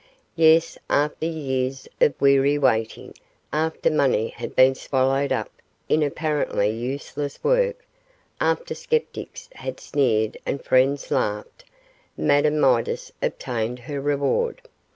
Yes, after years of weary waiting, after money had been swallowed up in apparently useless work, after sceptics had sneered and friends laughed, Madame Midas obtained her reward.